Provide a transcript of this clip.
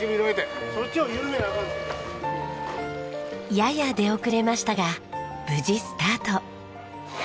やや出遅れましたが無事スタート。